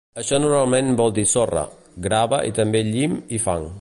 Això normalment vol dir sorra, grava i també llim i fang.